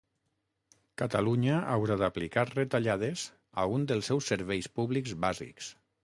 Catalunya haurà d'aplicar retallades a un dels seus serveis públics bàsics